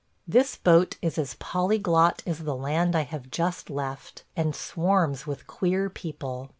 This boat is as polyglot as the land I have just left, and swarms with queer people.